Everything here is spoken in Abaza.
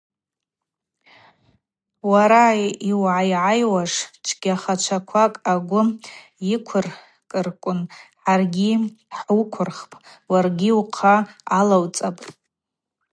Уара йуайгӏайуаш чвгьахачваквакӏ агвы уыквыркӏырквын хӏаргьи хӏуыквырхпӏ, уаргьи ухъа алауцӏапӏ.